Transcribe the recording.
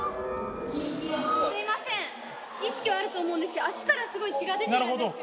すみません、意識はあると思うんですけど、足からすごい血が出ているんですけど。